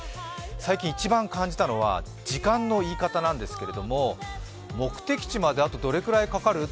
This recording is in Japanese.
最近、一番感じたのは時間の言い方なんですけど、目的地まであとどれくらいかかる？